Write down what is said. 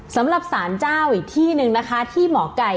สำหรับสารเจ้าอีกที่หนึ่งนะคะที่หมอไก่